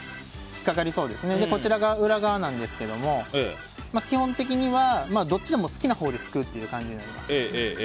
こちらが裏側なんですけども基本的にはどっちでも好きなほうですくう感じになります。